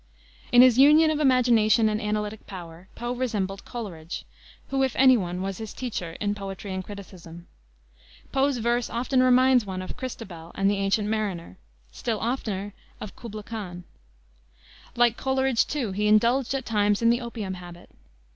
In his union of imagination and analytic power Poe resembled Coleridge, who, if any one, was his teacher in poetry and criticism. Poe's verse often reminds one of Christabel and the Ancient Mariner, still oftener of Kubla Khan. Like Coleridge, too, he indulged at times in the opium habit.